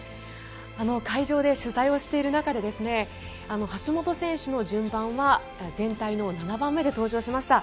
会場で取材をしている中で橋本選手の順番は全体の７番目で登場しました。